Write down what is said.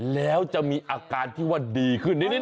แล้วจะมีอาการที่ว่าดีขึ้นนิดน